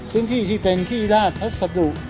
พื้นที่ที่เป็นที่ราชภัสดุ